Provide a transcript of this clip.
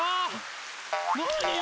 なによ